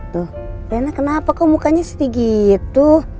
tuh rena kenapa kok mukanya seti gitu